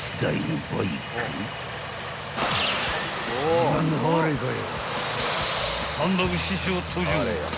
［自慢のハーレーかよ］